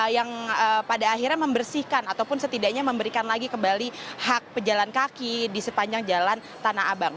yang pada akhirnya membersihkan ataupun setidaknya memberikan lagi kembali hak pejalan kaki di sepanjang jalan tanah abang